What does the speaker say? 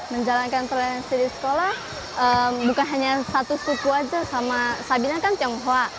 menjalankan toleransi di sekolah bukan hanya satu suku aja sama sabinan kan tionghoa